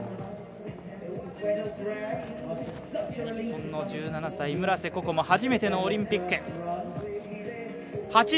日本の１７歳、村瀬心椛初めてのオリンピック。